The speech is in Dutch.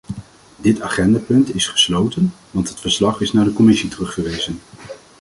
Dit agendapunt is gesloten, want het verslag is naar de commissie terugverwezen.